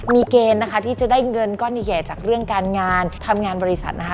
มีเกณฑ์นะคะที่จะได้เงินก้อนใหญ่จากเรื่องการงานทำงานบริษัทนะคะ